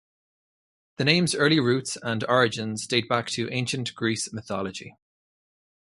The name's early roots and origins date back to Ancient Greece mythology.